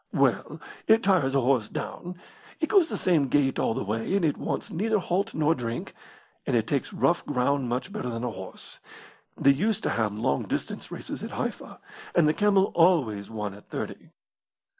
"Well, it tires a horse down. It goes the same gait all the way, and it wants neither halt nor drink, and it takes rough ground much better than a horse. They used to have long distance races at Haifa, and the camel always won at thirty."